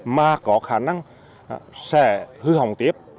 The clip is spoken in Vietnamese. mà có khả năng sẽ hư hỏng tiếp